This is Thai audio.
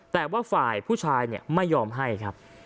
แต่ว่าฝ่ายผู้ชายไม่ยอมให้ครับ